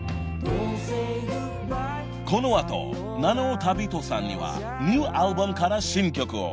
［この後七尾旅人さんにはニューアルバムから新曲を］